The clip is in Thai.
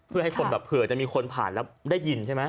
เพื่อให้คนแบบเผื่อจะมีคนผ่านแล้วได้ยินใช่ไหม